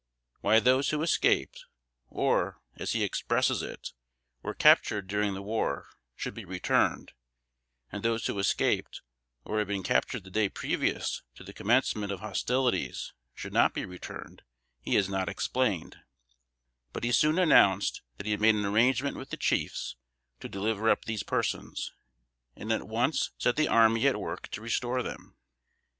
Why those who escaped, or, as he expresses it, were captured during the war, should be returned, and those who escaped or had been captured the day previous to the commencement of hostilities, should not be returned, he has not explained; but he soon announced, that he had made an arrangement with the chiefs to deliver up these persons; and at once set the army at work to restore them.